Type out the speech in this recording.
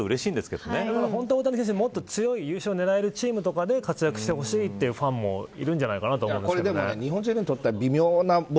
本当は大谷選手がもっと強い優勝を狙えるチームとかで活躍してほしいっていうファンもいるんじゃないかと思うんですけど。